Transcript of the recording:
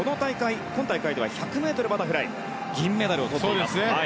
今大会では１００ｍバタフライで銀メダルをとっています。